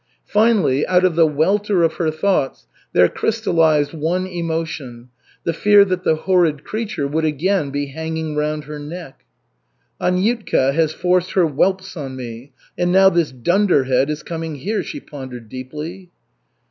Finally, out of the welter of her thoughts there crystallized one emotion, the fear that "the horrid creature" would again be hanging round her neck. "Aniutka has forced her whelps on me, and now this dunderhead is coming here," she pondered deeply.